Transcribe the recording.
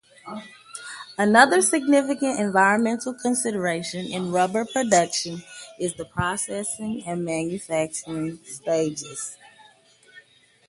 Another significant environmental consideration in rubber production is the processing and manufacturing stages.